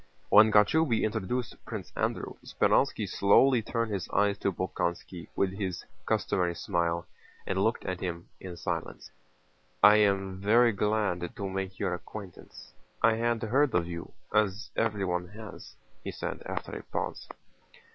When Kochubéy introduced Prince Andrew, Speránski slowly turned his eyes to Bolkónski with his customary smile and looked at him in silence. "I am very glad to make your acquaintance. I had heard of you, as everyone has," he said after a pause.